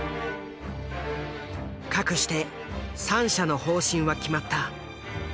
かくして３社の方針は決まった。